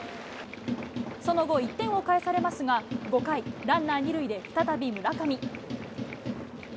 その後、１点を返されますが、５回、ランナー２塁で再び村上。